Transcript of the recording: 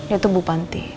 yaitu bu panti